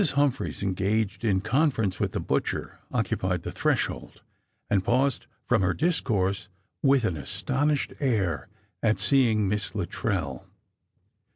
Humphreys, engaged in con ference with the butcher, occupied the threshold, and paused from her discourse with an astonished air at seeing Miss Luttrell.